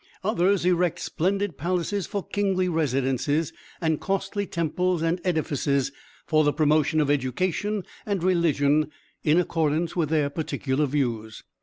Others erect splendid palaces for kingly residences, and costly temples and edifices for the promotion of education and religion in accordance with their particular views.